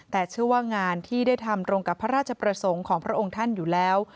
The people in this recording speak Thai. แต่เชื่อว่างานที่ได้ทำตรงกับพระราชประสงค์ของพระองค์ท่านอยู่แล้ว